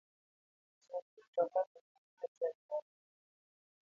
Tiend matoka no muoch matek wa.